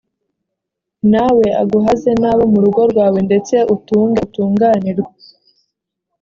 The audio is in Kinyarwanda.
nawe aguhaze nabo mu rugo rwawe ndetse utunge utunganirwe